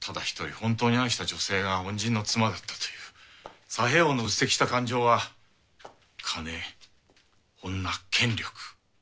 本当に愛した女性が恩人の妻だったという佐兵衛翁の鬱積した感情は金女権力。